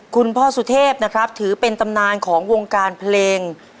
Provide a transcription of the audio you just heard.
คุณพ่อสุเทพนะครับถือเป็นตำนานของวงการเพลง